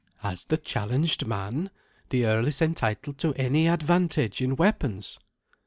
"As the challenged man, the earl is entitled to any advantage in weapons."